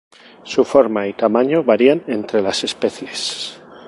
Su forma y tamaño varían entre las especies.